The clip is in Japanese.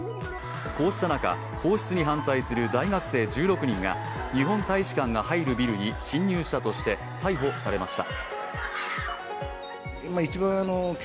こうした中、放出に反対する大学生１６人が日本大使館が入るビルに侵入したとして逮捕されました。